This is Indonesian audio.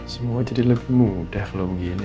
semua jadi lebih mudah kalau begini